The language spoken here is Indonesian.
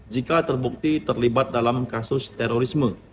jika terbukti terlibat dalam kasus terorisme